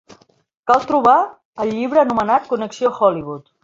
Cal trobar el llibre anomenat Connexió Hollywood